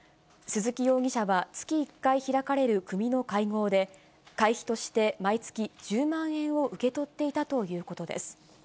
鈴木容疑者は、月１回開かれる組の会合で、会費として毎月１０万円を受け取っていたということです。